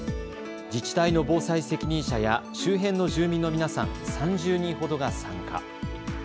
自治体の防災責任者や周辺の住民の皆さん３０人ほどが参加。